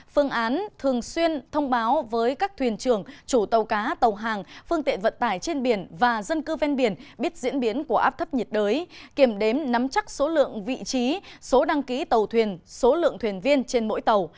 phương án thường xuyên thông báo với các thuyền trưởng chủ tàu cá tàu hàng phương tiện vận tải trên biển và dân cư ven biển biết diễn biến của áp thấp nhiệt đới kiểm đếm nắm chắc số lượng vị trí số đăng ký tàu thuyền số lượng thuyền viên trên mỗi tàu